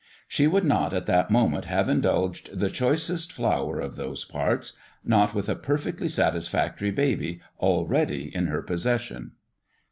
She would not at that moment have indulged the choicest flower of those parts not with a perfectly satisfactory baby already in her possession.